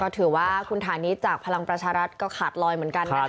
ถือว่าคุณฐานิสจากพลังประชารัฐก็ขาดลอยเหมือนกันนะคะ